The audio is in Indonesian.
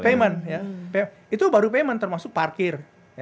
payment itu baru payment termasuk parkir